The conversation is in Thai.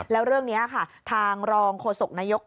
แล้วเรื่องนี้ค่ะทางรองโฆษกนายก